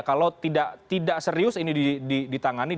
kalau tidak serius ini ditangani